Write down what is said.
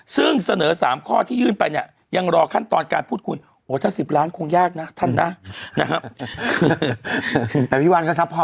ซึ่งเสนอ๓ข้อที่ยื่นไปเนี่ยยังรอขั้นตอนการพูดคุยโอ้ถ้า๑๐ล้านคงยากนะท่านนะนะครับ